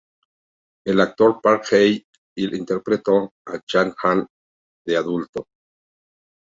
El actor Park Hae-il interpretó a Jang-han de adulto.